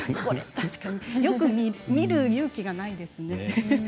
よく見る勇気がないですね。